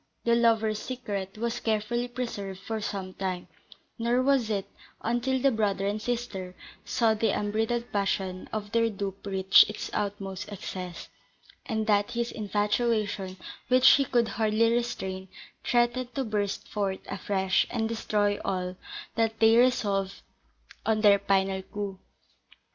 The lovers' secret was carefully preserved for some time; nor was it until the brother and sister saw the unbridled passion of their dupe reach its utmost excess, and that his infatuation, which he could hardly restrain, threatened to burst forth afresh, and destroy all, that they resolved on their final coup.